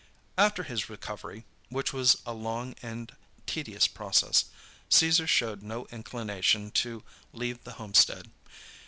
After his recovery, which was a long and tedious process, Caesar showed no inclination to leave the homestead.